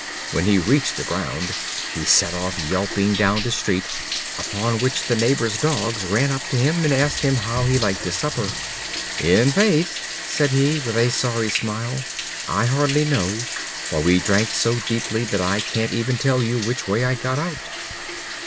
When he reached the ground, he set off yelping down the street; upon which the neighbors' dogs ran up to him and asked him how he liked his supper. "In faith," said he, with a sorry smile, "I hardly know, for we drank so deeply, that I can't even tell you which way I got out."